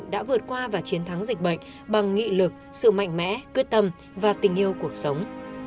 đã vượt qua và chiến thắng dịch bệnh bằng nghị lực sự mạnh mẽ quyết tâm và tình yêu cuộc sống